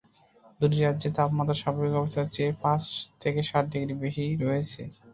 দুটি রাজ্যের তাপমাত্রা স্বাভাবিক অবস্থার চেয়ে পাঁচ থেকে সাত ডিগ্রি বেশি রয়েছে।